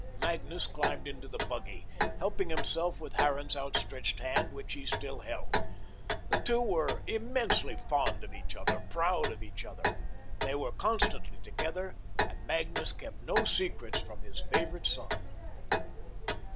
Magnus climbed into the buggy, helping himself with Harran's outstretched hand which he still held. The two were immensely fond of each other, proud of each other. They were constantly together and Magnus kept no secrets from his favourite son.